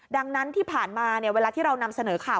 ดังนั้นที่ผ่านมาเวลาที่เรานำเสนอข่าว